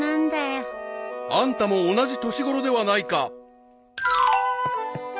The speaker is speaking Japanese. ［あんたも同じ年ごろではないか］